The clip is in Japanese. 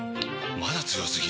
まだ強すぎ？！